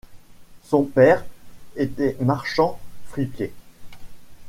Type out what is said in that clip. Son père était marchand fripier.